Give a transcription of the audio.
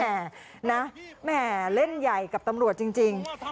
นะแหม่เล่นใหญ่กับตำรวจจริง